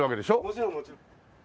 もちろんもちろん。